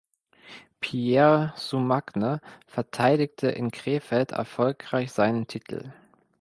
Pierre Soumagne verteidigte in Krefeld erfolgreich seinen Titel.